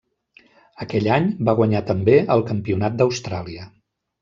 Aquell any va guanyar també el Campionat d'Austràlia.